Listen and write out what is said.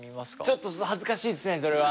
ちょっと恥ずかしいですねそれは。